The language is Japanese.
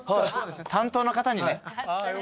担当の方にね。